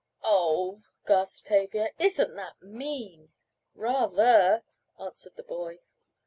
"Oh," gasped Tavia. "Isn't that mean!" "Rather," answered the boy.